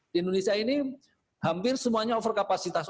di indonesia ini hampir semuanya overkapasitas